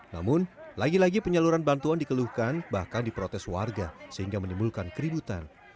namun lagi lagi penyaluran bantuan dikeluhkan bahkan diprotes warga sehingga menimbulkan keributan